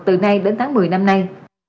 từ nay đến tháng một mươi năm nay